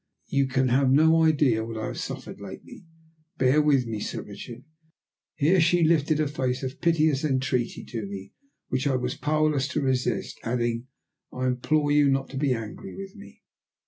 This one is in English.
You can have no idea what I have suffered lately. Bear with me, Sir Richard." Here she lifted a face of piteous entreaty to me, which I was powerless to resist, adding, "I implore you not to be angry with me."